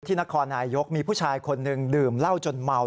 นครนายยกมีผู้ชายคนหนึ่งดื่มเหล้าจนเมา